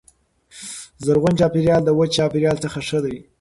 زرغون چاپیریال د وچ چاپیریال څخه ښه دی.